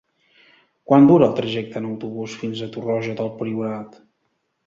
Quant dura el trajecte en autobús fins a Torroja del Priorat?